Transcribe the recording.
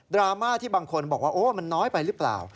ราม่าที่บางคนบอกว่าโอ้มันน้อยไปหรือเปล่า